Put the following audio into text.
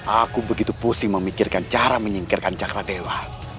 aku begitu pusing memikirkan cara menyingkirkan cakra dewa